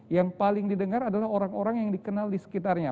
yang paling didengar adalah orang orang yang dikenal di sekitarnya